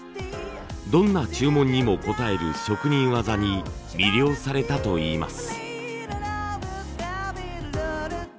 どんな注文にも応える職人技に魅了されたといいます。